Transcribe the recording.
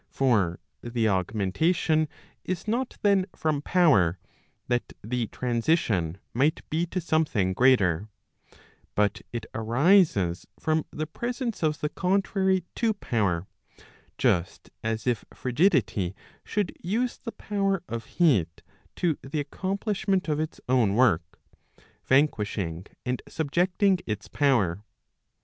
For the augmentation is not then from power, that the transition might be to something greater; but it arises from the presence of the contrary to power, just as if frigidity should use the power of heat to the accomplish¬ ment of its own work, vanquishing and subjecting its power.